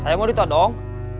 saya mau ditot dong